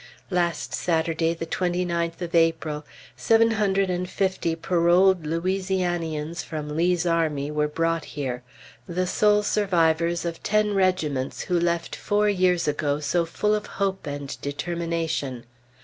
Last Saturday, the 29th of April, seven hundred and fifty paroled Louisianians from Lee's army were brought here the sole survivors of ten regiments who left four years ago so full of hope and determination.